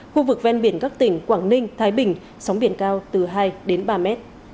khu vực ven biển các tỉnh quảng ninh thái bình sóng biển cao từ hai ba m